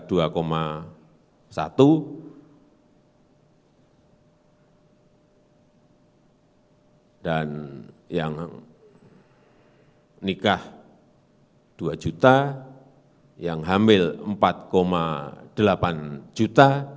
dan yang nikah dua juta yang hamil empat delapan juta